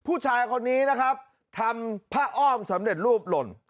ผู้ชายคนนี้นะครับทำผ้าอ้อมสำเร็จรูปหล่น